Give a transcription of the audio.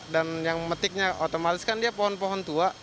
dan yang metiknya otomatis kan dia pohon pohon tua